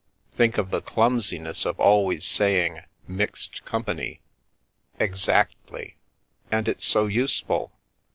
Think of the clumsiness of always say ing ' mixed company.' "" Exactly. And it's so useful.